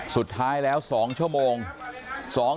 สุดท้าย๒ชั่วโมง